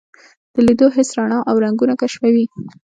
د لیدو حس رڼا او رنګونه کشفوي.